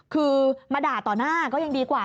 คือมาด่าต่อหน้าก็ยังดีกว่า